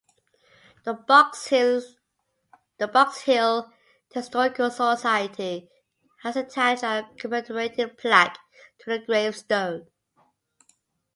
The Box Hill Historical Society has attached a commemorative plaque to the gravestone.